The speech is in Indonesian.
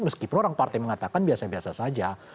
meskipun orang partai mengatakan biasa biasa saja